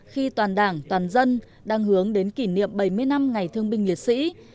khi toàn đảng toàn dân đang hướng đến kỷ niệm bảy mươi năm ngày thương binh liệt sĩ